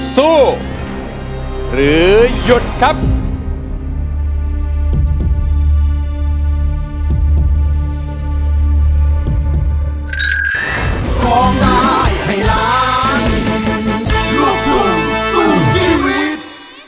สู้หรือหยุดครับ